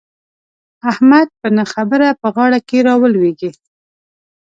احمد په نه خبره په غاړه کې را لوېږي.